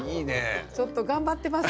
ちょっと頑張ってます